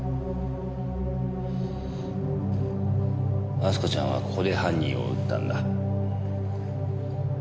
明日香ちゃんはここで犯人を撃ったんだ。